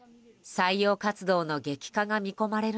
採用活動の激化が見込まれる